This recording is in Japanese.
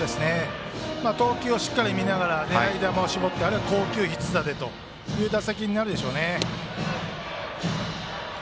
投球をしっかり見ながら狙い球を絞ってあるいは好球必打でという打席になるでしょうね。